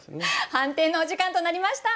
判定のお時間となりました。